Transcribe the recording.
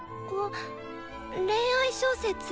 恋愛小説？